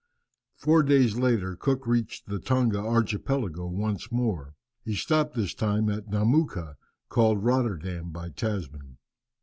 Four days later Cook reached the Tonga archipelago once more. He stopped this time at Nomouka, called Rotterdam by Tasman.